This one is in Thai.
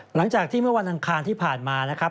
หลังจากที่เมื่อวันอังคารที่ผ่านมานะครับ